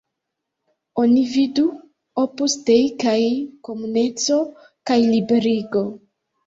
Oni vidu: Opus Dei kaj Komuneco kaj Liberigo.